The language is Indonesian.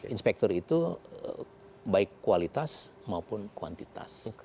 inspektur itu baik kualitas maupun kuantitas